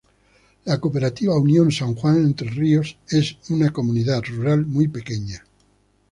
La Cooperativa Unión San Juan, Entre Ríos, es una comunidad rural muy pequeña.